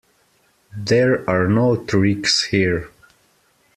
There are no tricks here.